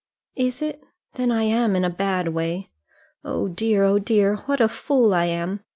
"Is it? Then I am in a bad way. Oh dear, oh dear, what a fool I am!